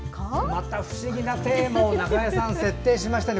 また不思議なテーマを設定しましたね。